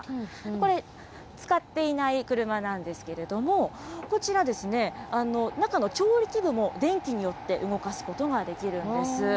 これ、使っていない車なんですけれども、こちら、中の調理器具も、電気によって動かすことができるんです。